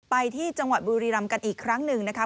ไปที่จังหวัดบุรีรำกันอีกครั้งหนึ่งนะคะ